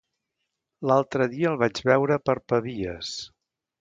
L'altre dia el vaig veure per Pavies.